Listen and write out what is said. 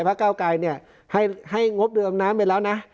ส่วนราชการเข้าใกล้เนี้ยให้ให้งบเรือดำน้ำไปแล้วนะ